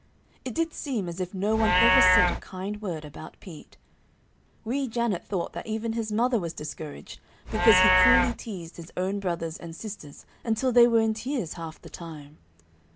It did seem as if no one ever said a kind word about Pete. Wee Janet thought that even his mother was discouraged, because he cruelly teased his own brothers and sisters until they were in tears half the time.